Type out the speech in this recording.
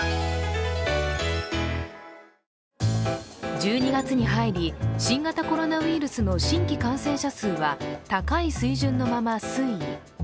１２月に入り、新型コロナウイルスの新規感染者数は高い水準のまま推移。